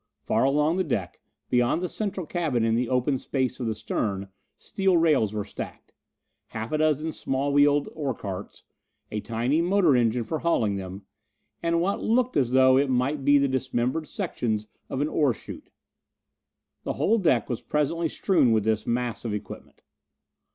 Far along the deck, beyond the central cabin in the open space of the stern, steel rails were stacked; half a dozen small wheeled ore carts; a tiny motor engine for hauling them and what looked as though it might be the dismembered sections of an ore shute. The whole deck was presently strewn with this mass of equipment.